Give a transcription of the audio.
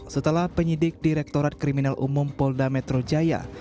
setelah penyidik direktorat kriminal umum polda metro jaya